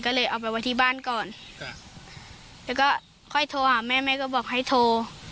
ก็เลยเอาไปไว้ที่บ้านก่อนแล้วก็ค่อยโทรหาแม่แม่ก็บอกให้โทร